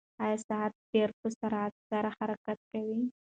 ایا ساعت ډېر په سرعت سره حرکت کوي؟